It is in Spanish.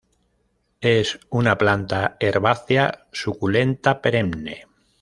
Es una planta herbácea suculenta perenne.